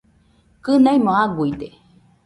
Kɨnaimo aguide